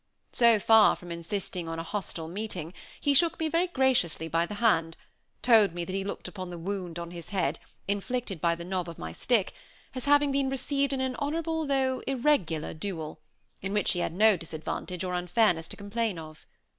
So far from insisting on a hostile meeting, he shook me very graciously by the hand, told me that he looked upon the wound on his head, inflicted by the knob of my stick, as having been received in an honorable though irregular duel, in which he had no disadvantage or unfairness to complain of.